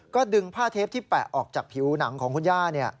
ก็ดึงผ้าเทปที่แปะออกจากผิวหนังของคุณย่า